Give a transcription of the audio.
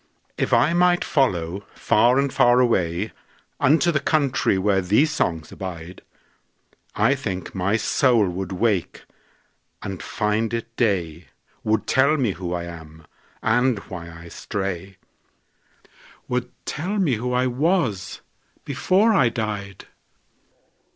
If I might follow far and far awayUnto the country where these songs abide,I think my soul would wake and find it day, Would tell me who I am, and why I stray,—Would tell me who I was before I died.